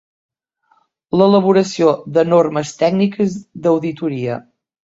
L'elaboració de normes tècniques d'auditoria.